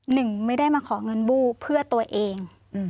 หนึ่งไม่ได้มาขอเงินบู้เพื่อตัวเอง